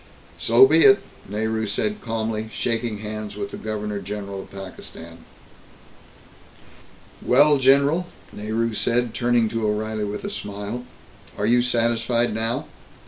"So be it!" Nehru said calmly, shaking hands with the Governor General of Pakistan. "Well, general," Nehru said, turning to O'Reilly with a smile, "are you satisfied now?